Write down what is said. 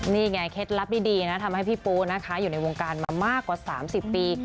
นี่ไงเคล็ดลับดีนะทำให้พี่ปูนะคะอยู่ในวงการมามากกว่า๓๐ปี